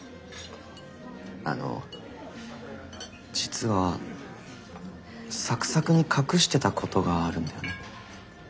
あの実はサクサクに隠してたことがあるんだよね。